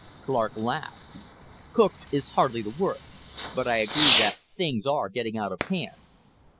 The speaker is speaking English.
Clark laughed. "'Cooked' is hardly the word. But I agree that things are getting out of hand."